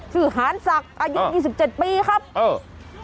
ถือหารศักดิ์อายุ๒๗ปีครับเออ